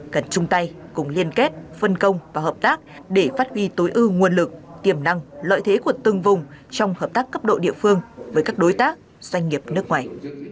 cần chung tay cùng liên kết phân công và hợp tác để phát huy tối ưu nguồn lực tiềm năng lợi thế của từng vùng trong hợp tác cấp độ địa phương với các đối tác doanh nghiệp nước ngoài